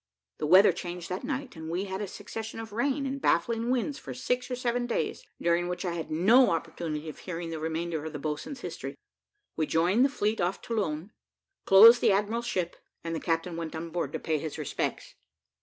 The weather changed that night, and we had a succession of rain and baffling winds for six or seven days, during which I had no opportunity of hearing the remainder of the boatswain's history. We joined the fleet off Toulon, closed the admiral's ship, and the captain went on board to pay his respects.